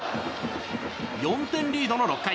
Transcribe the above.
４点リードの６回。